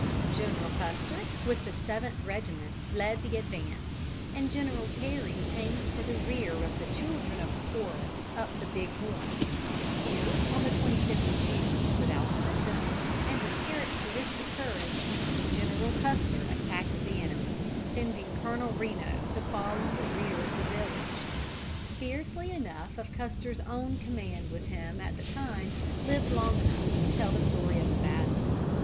General Custer, with the 7th Regiment, led the advance, and General Terry aimed for the rear of the children of the forest up the Big Horn. Here, on the 25th of June, without assistance, and with characteristic courage, General Custer attacked the enemy, sending Colonel Reno to fall on the rear of the village. Scarcely enough of Custer's own command with him at the time lived long enough to tell the story of the battle.